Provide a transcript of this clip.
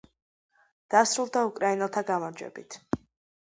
დასრულდა უკრაინელთა გამარჯვებით.